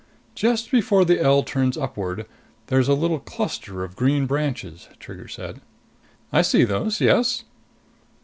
"Just before the L turns upward, there's a little cluster of green branches," Trigger said. "I see those, yes."